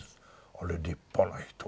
あれ立派な人だね。